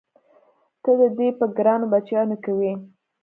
ته د دې په ګرانو بچیانو کې وې؟